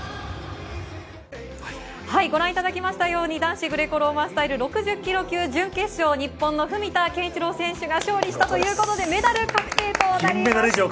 ご覧いただきましたように男子グレコローマンスタイル６０ｋｇ級準決勝、日本の文田健一郎選手が勝利したということで、メダル確定となりました。